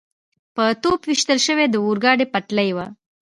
په توپ ویشتل شوې د اورګاډي پټلۍ وه.